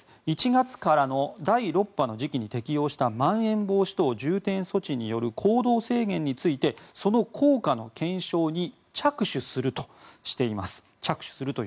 １月からの第６波の時期に適用したまん延防止等重点措置による行動制限についてその効果の検証に着手するとしています。